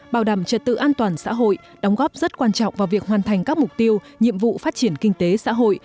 bảo đảm trật tự an toàn xã hội đóng góp rất quan trọng vào việc hoàn thành các mục tiêu nhiệm vụ phát triển kinh tế xã hội